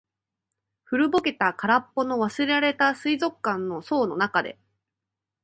古ぼけた、空っぽの、忘れられた水族館の槽の中で。